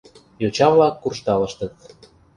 Йоча-влак куржталыштыт.